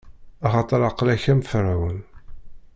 Axaṭer aql-ak am Ferɛun.